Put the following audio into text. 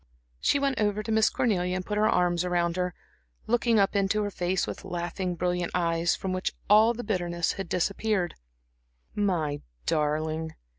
She went over to Miss Cornelia and put her arms around her, looking up into her face with laughing, brilliant eyes, from which all bitterness had disappeared. "My darling."